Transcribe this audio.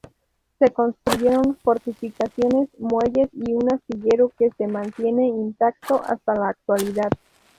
Se construyeron fortificaciones, muelles y un astillero que se mantiene intacto hasta la actualidad.